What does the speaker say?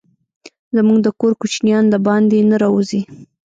زموږ د کور کوچينان دباندي نه راوزي.